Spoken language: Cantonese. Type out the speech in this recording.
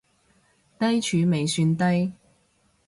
低處未算低